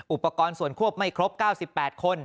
อุปกรณ์ส่วนควบไม่ครบ๙๘คน